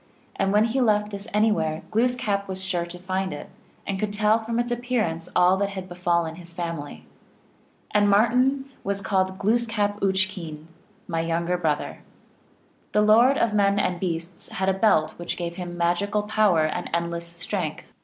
and when he left this anywhere Gloos kap was sure to find it, and could tell from its ap pearance all that had befallen his family. And Martin was called by Glooskap Uch keen (M.), "my younger brother." The Lord of men and beasts had a belt which gave him magical power and endless strength.